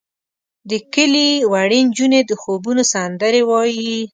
د کلي وړې نجونې د خوبونو سندرې وایې.